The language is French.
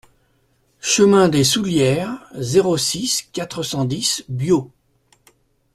Chemin des Soullieres, zéro six, quatre cent dix Biot